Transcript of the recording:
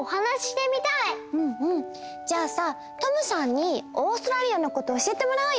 じゃあさＴｏｍさんにオーストラリアのことを教えてもらおうよ！